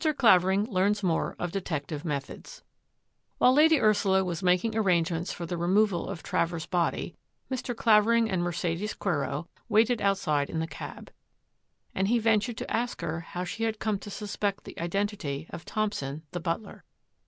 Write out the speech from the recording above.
CLAVERING LEARNS MORE OF DETECTIVE METHODS While Lady Ursula was making arrangements for the removal of Travers' body, Mr. Clavering and Mercedes Quero waited outside in the cab, and he ventured to ask her how she had come to suspect the identity of Thompson, the butler.